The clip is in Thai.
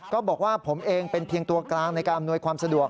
ก็บอกว่าผมเองเป็นเพียงตัวกลางในการอำนวยความสะดวก